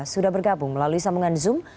sudah bergabung melalui sambungan zoom